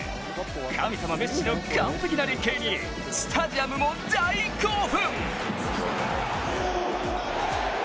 神様メッシの完璧な連係にスタジアムも大興奮！